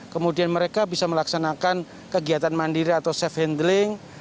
kemudian mereka bisa melaksanakan kegiatan mandiri atau safe handling